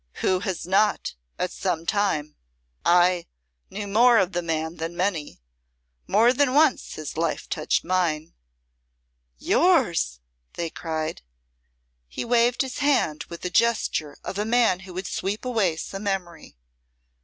"Who has not, at some time? I knew more of the man than many. More than once his life touched mine." "Yours!" they cried. He waved his hand with the gesture of a man who would sweep away some memory.